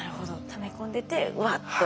ため込んでてうわっと。